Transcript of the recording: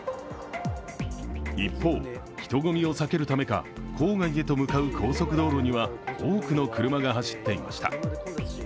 一方、人混みを避けるためか郊外へと向かう高速道路には多くの車が走っていました。